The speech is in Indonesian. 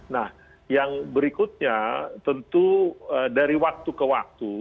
nah yang berikutnya tentu dari waktu ke waktu